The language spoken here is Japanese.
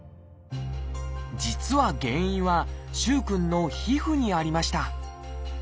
実は原因は萩くんの皮膚にありました。